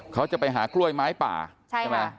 เขาจะไปหากล้วยไม้ป่าใช่ไหม